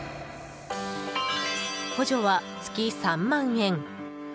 補助は月３万円。